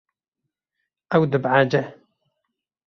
Ew dibehece.